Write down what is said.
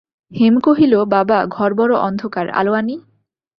হেম কহিল, বাবা, ঘর বড়ো অন্ধকার, আলো আনি।